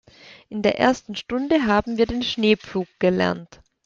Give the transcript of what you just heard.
In der ersten Stunde haben wir den Schneepflug gelernt.